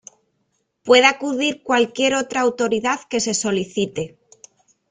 Puede acudir cualquier otra autoridad que se solicite.